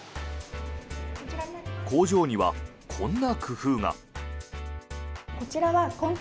工場には、こんな工夫が。